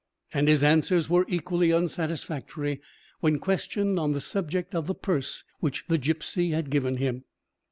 And his answers were equally unsatisfactory when questioned on the subject of the purse which the gipsy had given him.